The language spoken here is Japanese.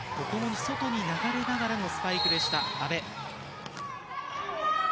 ここも外に流れながらのスパイクでした、阿部。